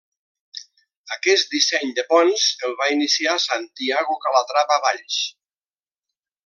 Aquest disseny de ponts, el va iniciar Santiago Calatrava Valls.